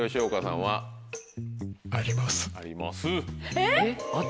えっ！